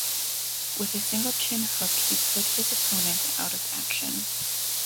With a single chin hook he put his opponent out of action.